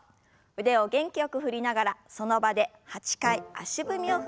腕を元気よく振りながらその場で８回足踏みを踏みます。